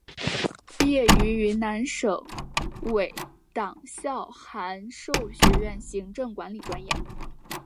毕业于云南省委党校函授学院行政管理专业。